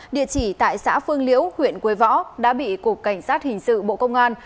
địa chỉ tại xã phương liễu huyện quế võ đã bị cục cảnh sát hình sự bộ công an